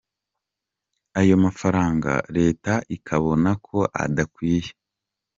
Ayo mafaranga reta ikabona ko adakwiye.